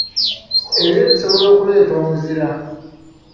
Ebire bisobola okuleeta omuzira.